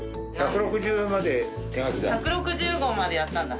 １６０号までやったんだ。